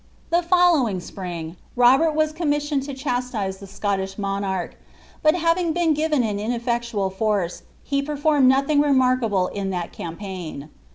The following spring, Robert was commissioned to chastise the Scot tish monarch; but having been given an inet^tual force, he performtd nothing remarkable in that campaign.